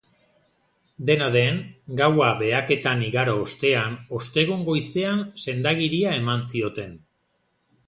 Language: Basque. Dena den, gaua behaketan igaro ostean ostegun goizean sendagiria eman zioten.